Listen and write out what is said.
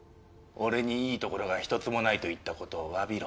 俺にいいところが一つもないと言ったことをわびろ。